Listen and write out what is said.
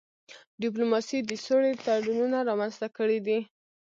ډيپلوماسی د سولي تړونونه رامنځته کړي دي.